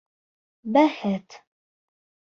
Бәхет!